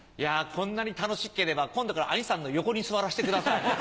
こんなに楽しければ今度から兄さんの横に座らせてください。